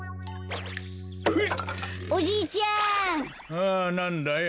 ああなんだい？